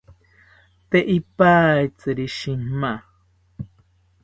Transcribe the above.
Tee ipaitziri shima